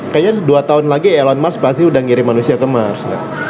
kayaknya dua tahun lagi elon mars pasti udah ngirim manusia ke mars